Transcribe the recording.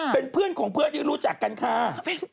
เป็นเพื่อนของเพื่อนที่รู้จักกันค่ะ